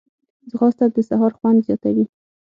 ځغاسته د سهار خوند زیاتوي